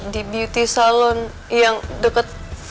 di beauty salon yang dapat